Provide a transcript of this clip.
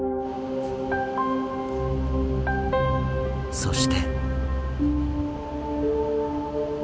そして。